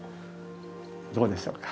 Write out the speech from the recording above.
どうでしょうか？